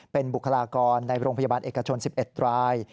เป็นบุคลากรในโรงพยาบาลเอกชน๑๑ราย